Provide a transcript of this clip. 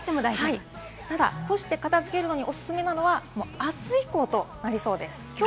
ただ干して片付けるのにおすすめなのはあす以降となりそうです。